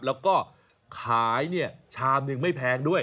แล้วก็ขายชามหนึ่งไม่แพงด้วย